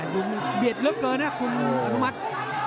ดูเบียดลึกเลยนะคุณอธมัติ